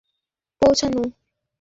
আমায় অতিসত্বর সেখানে পৌঁছাতে হবে।